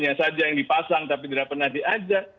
tidak pernah diajak yang dipasang tapi tidak pernah diajak